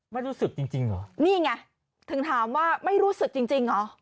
ไม่รู้สึกจริงหรอนี่ไงถึงถามว่าไม่รู้สึกจริงหรอ